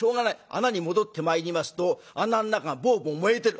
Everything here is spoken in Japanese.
穴に戻ってまいりますと穴の中がボーボー燃えてる。